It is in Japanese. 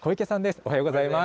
おはようございます。